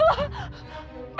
bella masuk ke dalam sana